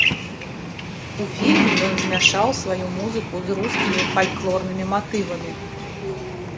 У фільме ён змяшаў сваю музыку з рускімі фальклорнымі матывамі.